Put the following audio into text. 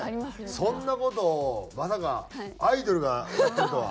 そんな事をまさかアイドルがやってるとは。